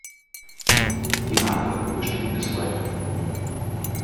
Die Marke besteht bis heute.